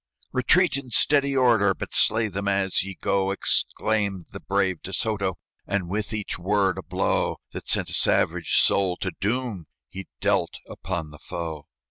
"Retreat in steady order! But slay them as ye go!" Exclaimed the brave De Soto, And with each word a blow That sent a savage soul to doom He dealt upon the foe.